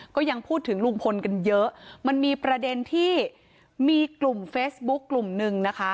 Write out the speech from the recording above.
ก็ยังพูดถึงลุงพลกันเยอะมันมีประเด็นที่มีกลุ่มเฟซบุ๊คกลุ่มหนึ่งนะคะ